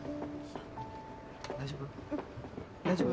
大丈夫？